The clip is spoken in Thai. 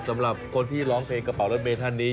สำหรับคนที่ร้องเพลงกระเป๋ารถเมย์ท่านนี้